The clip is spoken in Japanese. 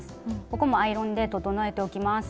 ここもアイロンで整えておきます。